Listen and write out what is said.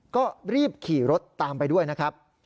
ก็รีบขี่รถตามไปด้วยนะครับ